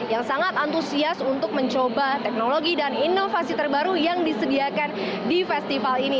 yang sangat antusias untuk mencoba teknologi dan inovasi terbaru yang disediakan di festival ini